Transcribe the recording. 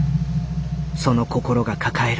その心が抱える。